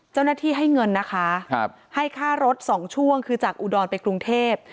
เจ้าหน้าที่ให้เงินนะคะให้ค่ารถ๒ช่วงคือจากอุดรไปกรุงเทพฯ